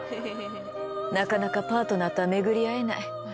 なかなかパートナーとは巡り会えない。